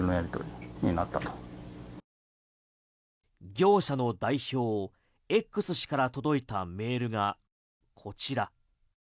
業者の代表、Ｘ氏から届いたメールがこちら。